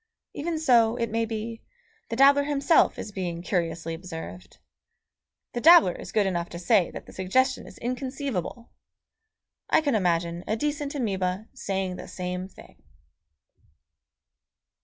Even so, it may be, the dabbler himself is being curiously observed.... The dabbler is good enough to say that the suggestion is inconceivable. I can imagine a decent amoeba saying the same thing.